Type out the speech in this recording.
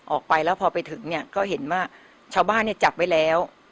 ออกไปแล้วพอไปถึงเนี่ยก็เห็นว่าชาวบ้านเนี่ยจับไว้แล้ว